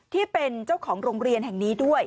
ที่เป็นเจ้าของโรงเรียนแห่งนี้ด้วย